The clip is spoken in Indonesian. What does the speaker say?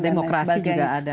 demokrasi juga ada musyawarah